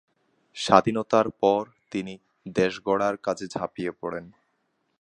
স্বাধীনতার পর তিনি দেশ গড়ার কাজে ঝাঁপিয়ে পড়েন।